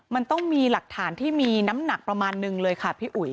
มันต้องมีหลักฐานที่มีน้ำหนักประมาณนึงเลยค่ะพี่อุ๋ย